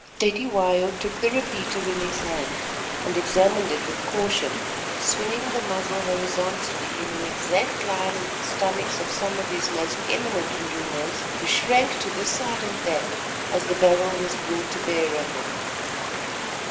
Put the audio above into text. Cetywayo took the repeater in his hand, and examined it with caution, swinging the muzzle horizontally in an exact line with the stomachs of some of his most eminent Indunas, who shrank to this side and that as the barrel was brought to bear on them.